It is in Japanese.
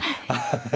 ハハハハ。